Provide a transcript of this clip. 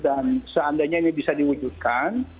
dan seandainya ini bisa diwujudkan